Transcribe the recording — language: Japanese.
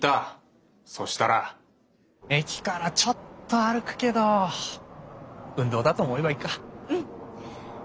駅からちょっと歩くけど運動だと思えばいいか。